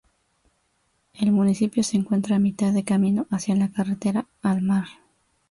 El municipio se encuentra a mitad de camino hacia la Carretera al Mar.